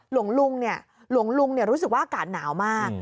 หลวงลุงรู้สึกว่าอากาศหนาวมาก